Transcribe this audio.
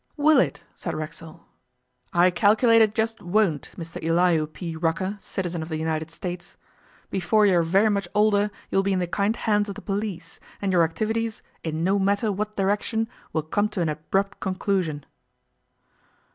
'Will it?' said Racksole. 'I calculate it just won't, Mr Elihu P. Rucker, citizen of the United States. Before you are very much older you'll be in the kind hands of the police, and your activities, in no matter what direction, will come to an abrupt conclusion.